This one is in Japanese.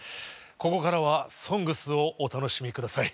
ここからは「ＳＯＮＧＳ」をお楽しみ下さい。